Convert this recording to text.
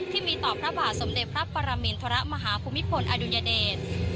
ที่มีต่อพระบาทสมเด็จพระปรมินทรมาฮภูมิพลอดุญเดช